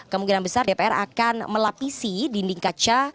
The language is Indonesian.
kemungkinan besar dpr akan melapisi dinding kaca